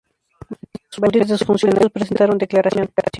Varios de sus funcionarios públicos presentaron declaración.